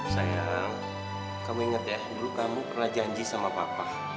saya kamu ingat ya dulu kamu pernah janji sama papa